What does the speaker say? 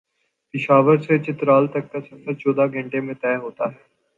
پشاورسے چترال تک کا سفر چودہ گھنٹوں میں طے ہوتا ہے ۔